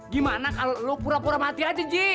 gimana kalo lu pura pura mati aja ji